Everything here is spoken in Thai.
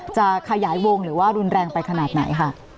จะขยายวงหรือว่ารุนแรงไปขนาดไหนค่ะ